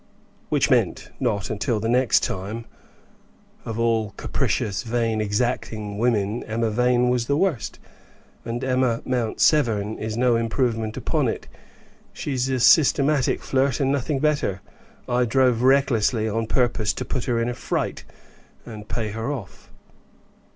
"Which meant, not until the next time. Of all capricious, vain, exacting women, Emma Vane was the worst; and Emma Mount Severn is no improvement upon it; she's a systematic flirt, and nothing better. I drove recklessly on purpose to put her in a fright, and pay her off."